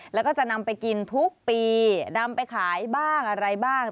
แล้วก็จะนำไปกินทุกปีนำไปขายบ้างอะไรบ้าง